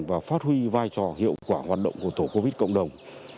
và phát huy vai trò hiệu quả hoạt động của tổ covid cộng đồng